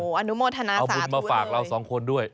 อนุโมทนาศาสตร์ด้วยเลยค่ะเอาบุญมาฝากเราสองคนด้วย